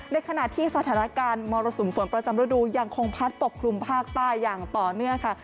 ในขณะที่สถานการณ์มรสุมฝนประจำฤดูยังคงพัดปกคลุมภาคใต้อย่างต่อเนื่องค่ะ